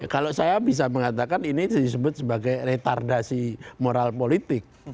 kalau saya bisa mengatakan ini disebut sebagai retardasi moral politik